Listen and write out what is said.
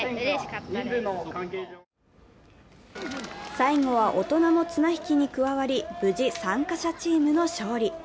最後は大人も綱引きに加わり無事、参加者チームの勝利！